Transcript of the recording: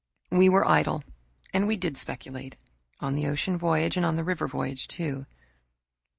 We were idle and we did speculate, on the ocean voyage and the river voyage, too.